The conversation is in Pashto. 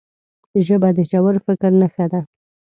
ژبه د ژور فکر نښه ده